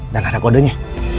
dan ada kodenya